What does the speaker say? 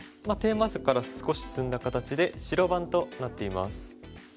テーマ図から少し進んだ形で白番となっています。